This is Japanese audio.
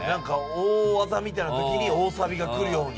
大技みたいなときに大サビが来るように。